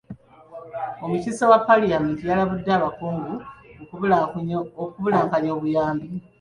Omukiise wa paalamenti yalabudde abakungu ku kubulankanya obuyambi.